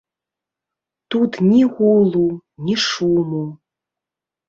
Тут ні гулу, ні шуму.